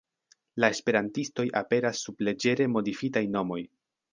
La esperantistoj aperas sub leĝere modifitaj nomoj.